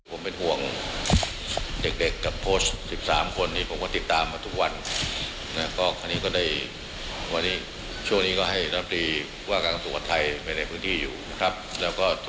วงศพต้องสำเร็จนะต้องสำเร็จ